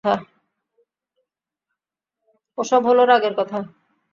ও-সব হল রাগের কথা।